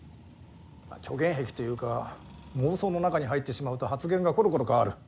虚言癖というか妄想の中に入ってしまうと発言がコロコロ変わる。